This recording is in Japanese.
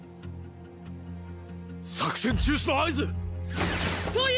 作戦中止の合図⁉総員